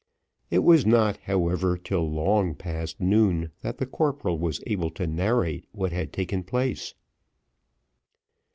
It was not, however, till long past noon, that the corporal was able to narrate what had taken place.